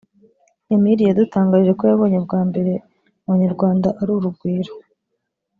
Emily yadutangarije ko yabonye bwa mbere mu banyarwanda ari urugwiro